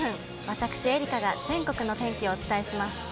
私、愛花が全国の天気をお伝えします。